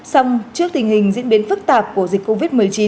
xong trước tình hình diễn biến phức tạp của dịch covid một mươi chín